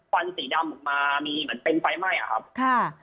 วันสีดำออกมามีเหมือนเป็นไฟไหม้อะครับค่ะ